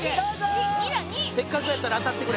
せっかくやったら当たってくれ。